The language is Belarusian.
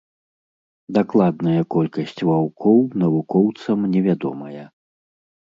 Дакладная колькасць ваўкоў навукоўцам невядомая.